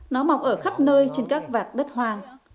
nó mọc ở khắp nơi trên các vạt đất hoang